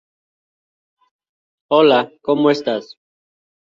Pueden ocurrir convulsiones o discapacidad intelectual.